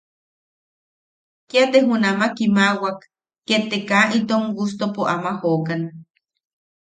Kia te junama kimawak, ket te kaa itom gustopo ama jokan.